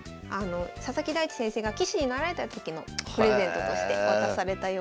佐々木大地先生が棋士になられた時のプレゼントとして渡されたようで。